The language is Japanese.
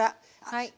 はい。